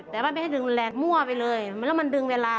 แต่ว่าไม่ให้ดึงแหลกมั่วไปเลยแล้วมันดึงเวลา